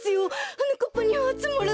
はなかっぱにはつまらないと。